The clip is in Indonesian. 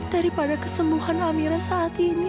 daripada kesembuhan amira saat ini